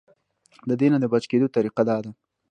د دې نه د بچ کېدو طريقه دا ده -